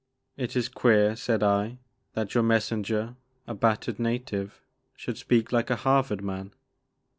It is queer," said I, that your messenger — a battered native, — ^should speak like a Harvard man."